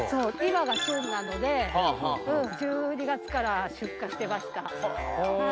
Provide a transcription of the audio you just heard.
今が旬なので１２月から出荷してました。